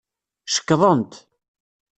Cekḍent.